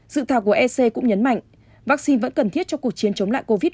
dự thảo của ec cũng nhấn mạnh vaccine vẫn cần thiết cho cuộc chiến chống lại covid một mươi chín